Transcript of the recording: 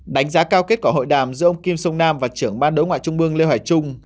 đánh giá cao kết quả hội đàm giữa ông kim sông nam và trưởng ban đối ngoại trung mương lê hoài trung